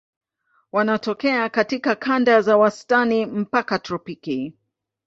Wanatokea katika kanda za wastani mpaka tropiki.